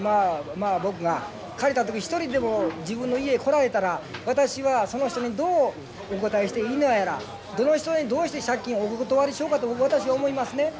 まあ僕が借りた時一人でも自分の家へ来られたら私はその人にどうお応えしていいのやらどの人にどうして借金お断りしようかと私は思いますね。